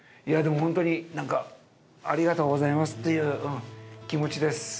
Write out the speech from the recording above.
いや、でも本当に、なんかありがとうございますっていう気持ちです。